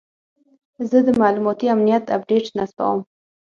زه د معلوماتي امنیت اپډیټ نصبوم.